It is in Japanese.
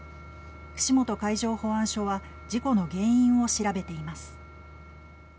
串本海上保安署は事故の原因を調べています。